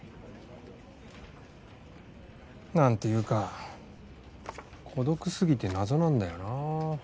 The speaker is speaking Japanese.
何ていうか孤独すぎて謎なんだよな。